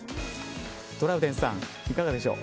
トラウデンさんいかがでしょう。